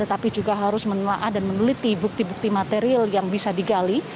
tetapi juga harus menelaah dan meneliti bukti bukti material yang bisa digali